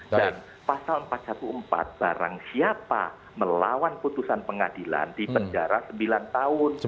dan pasal empat ratus empat belas barang siapa melawan putusan pengadilan di penjara sembilan tahun